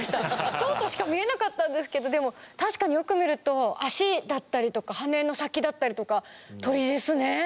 そうとしか見えなかったんですけどでも確かによく見ると足だったりとか羽の先だったりとか鳥ですね。